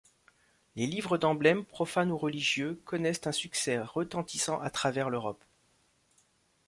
Les livres d’emblèmes, profanes ou religieux, connaissent un succès retentissant à travers l’Europe.